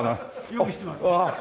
よく知ってます。